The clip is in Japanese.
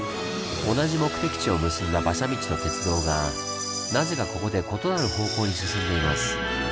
同じ目的地を結んだ馬車道と鉄道がなぜかここで異なる方向に進んでいます。